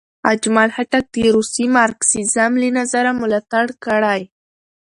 اجمل خټک د روسي مارکسیزم له نظره ملاتړ کړی.